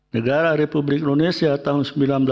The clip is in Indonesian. negara republik indonesia tahun seribu sembilan ratus empat puluh